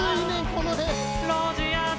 この辺。